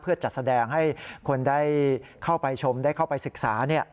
เพื่อจัดแสดงให้คนได้เข้าไปชมได้เข้าไปศึกษา